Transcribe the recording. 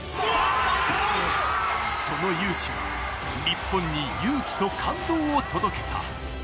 その雄姿は日本に勇気と感動を届けた。